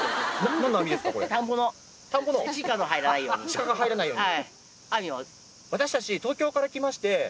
シカが入らないように。